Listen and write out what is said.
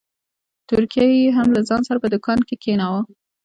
تورکى يې هم له ځان سره په دوکان کښې کښېناوه.